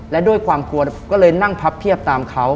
และด้วยความกลัวก็เลยนั่งพับเพียบตามเขา